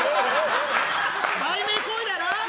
売名行為だな！